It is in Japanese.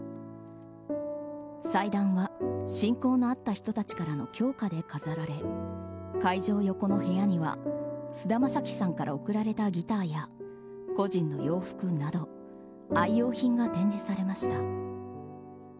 祭壇は親交のあった人たちからの供花で飾られ会場横の部屋には菅田将暉さんから贈られたギターや故人の洋服など愛用品が展示されました。